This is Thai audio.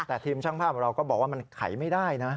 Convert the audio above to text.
แต่ทีมช่างภาพของเราก็บอกว่ามันไขไม่ได้นะ